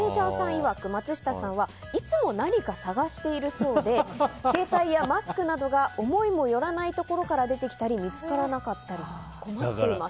いわく松下さんはいつも何か探しているそうで携帯やマスクなどが思いもよらないところから出てきたり見つからなかったり困っています。